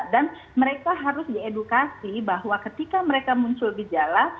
dan mereka harus diedukasi bahwa ketika mereka muncul gejala